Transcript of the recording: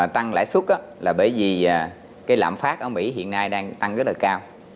tăng lãi xuất là bởi vì lãm phát ở mỹ hiện nay đang tăng rất là cao